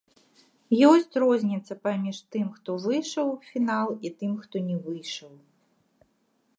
Ёсць розніца паміж тым, хто выйшаў у фінал, і тым, хто не выйшаў.